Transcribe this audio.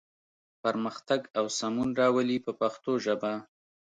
پرمختګ او سمون راولي په پښتو ژبه.